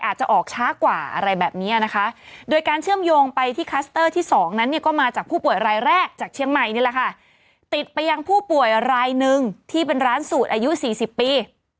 จากผู้ป่วยรายนึงที่เป็นร้านสูตรอายุ๔๐ปี